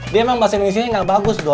dia emang bahasa indonesia gak bagus doi